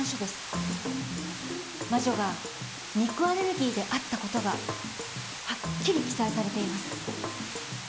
魔女が肉アレルギーであった事がはっきり記載されています。